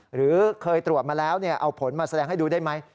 หรือเคยตรวจมาแล้วเอาผลมาแสดงให้ดูได้ไหม